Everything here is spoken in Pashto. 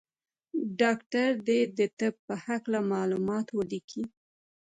ډاکټر دي د طب په هکله معلومات ولیکي.